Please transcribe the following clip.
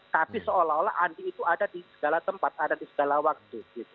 tapi seolah olah andi itu ada di segala tempat ada di segala waktu